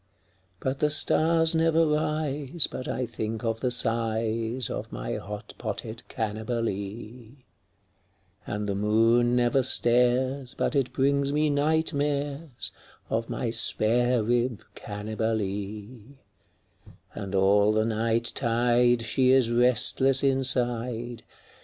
But the stars never rise but I think of the size Of my hot potted Cannibalee, And the moon never stares but it brings me night mares Of my spare rib Cannibalee; And all the night tide she is restless inside.